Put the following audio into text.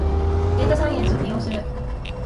データサイエンスを利用する